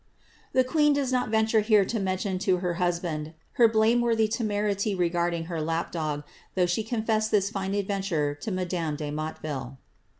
The queen does not venture here to roen ioo to her husband her blameworthy temerity regarding her lap dog, hough she confessed this fine adventure to madame de Motteville.